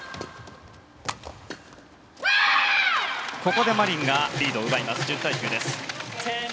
ここでマリンがリードを奪います。